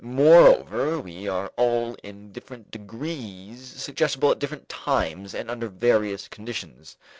Moreover we are all in different degrees suggestible at different times and under various conditions.